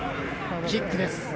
キックです。